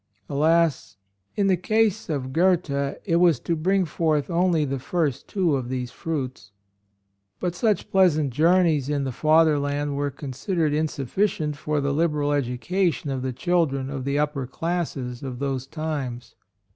Alas! in the case of Goethe it was to bring forth only the first two of these fruits. But such pleasant journeys in the Fatherland were considered insufficient for the liberal edu cation of the children of the upper classes of those times.